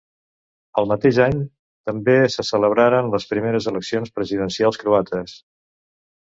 El mateix any també se celebraren les primeres eleccions presidencials croates.